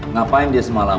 ngapain dia semalam